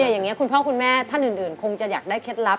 อย่างนี้คุณพ่อคุณแม่ท่านอื่นคงจะอยากได้เคล็ดลับ